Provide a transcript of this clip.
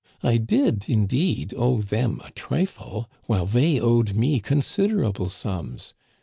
I did, indeed, owe them a trifle, while they owed me considerable sums.